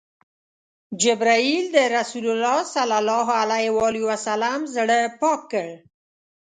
جبرئیل د رسول الله ﷺ زړه پاک کړ.